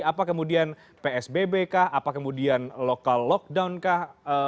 apa kemudian psbb kah apa kemudian lokal lockdown kah